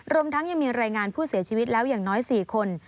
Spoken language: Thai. รวมทั้งยังมีรายงานผู้เสียชีวิตแล้วอย่างน้อย๔คน